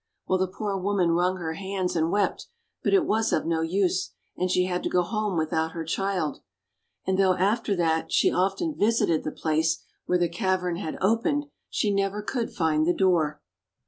Well, the poor woman wrung her hands and wept, but it was of no use, and she had to go home without her child. And though after that she often visited the place where the cavern had opened, she never could find the door.